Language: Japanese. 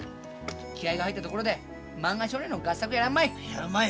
気合いが入ったところで「漫画少年」の合作やらんまい！やらんまい！